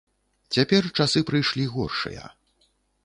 Цяпер часы прыйшлі горшыя.